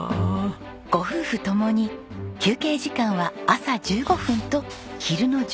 ご夫婦共に休憩時間は朝１５分と昼の１５分のみ。